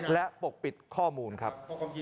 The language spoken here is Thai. และปกปิดข้อมูลครับ